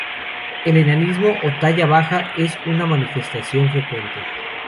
El enanismo o talla baja es una manifestación frecuente.